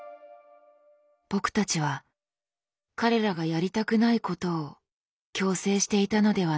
僕たちは彼らがやりたくないことを強制していたのではないか？